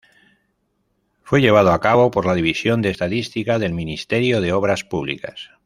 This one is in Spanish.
Fue llevado a cabo por la división de Estadística del Ministerio de Obras Públicas.